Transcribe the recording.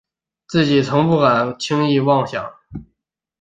自己从不敢轻易妄想